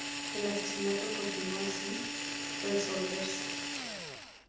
El asesinato continúa si resolverse.